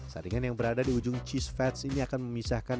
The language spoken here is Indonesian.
saringan yang berada di ujung cheese fats ini akan memisahkan